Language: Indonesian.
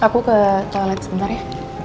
aku ke toilet sebentar ya